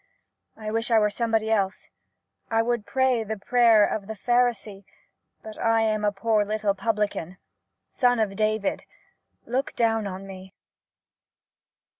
I wish I were somebody else — I would pray the prayer of the ' Pharisee,' but I am a poor little 'Publican.' 'Son of David,' look down on me